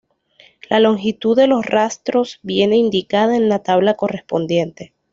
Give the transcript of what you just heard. La longitud de los rastros viene indicada en la tabla correspondiente.